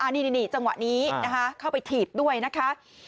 นี่จังหวะนี้นะคะเข้าไปถีบด้วยนะคะ